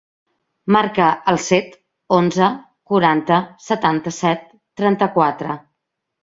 Marca el set, onze, quaranta, setanta-set, trenta-quatre.